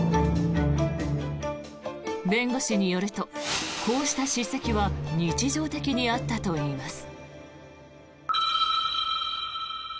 弁護士によるとこうした叱責は日常的にあったといいます。